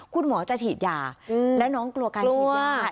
คุณหมอจะฉีดยาแล้วน้องกลัวการฉีดยา